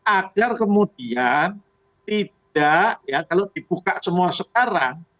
agar kemudian tidak ya kalau dibuka semua sekarang